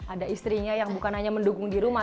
ada istrinya yang bukan hanya mendukung di rumah